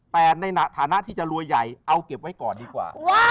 แต่ในฐานะที่จะรวยใหญ่เอาเก็บไว้ก่อนดีกว่า